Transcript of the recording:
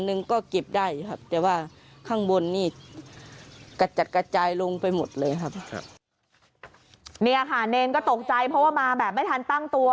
นี่ค่ะเนรก็ตกใจเพราะว่ามาแบบไม่ทันตั้งตัว